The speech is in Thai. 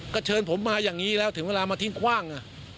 ก็เชิญผมมาอย่างนี้แล้วถึงเวลามาทิ้งคว่าง